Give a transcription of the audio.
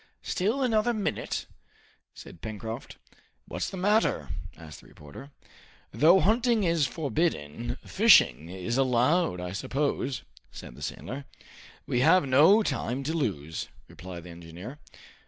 "Still another minute!" said Pencroft. "What's the matter?" asked the reporter. "Though hunting is forbidden, fishing is allowed, I suppose," said the sailor. "We have no time to lose," replied the engineer.